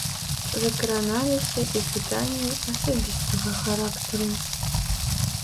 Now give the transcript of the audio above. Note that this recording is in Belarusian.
Закраналіся і пытанні асабістага характару.